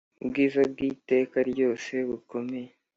Ubwiza bw iteka ryose bukomeye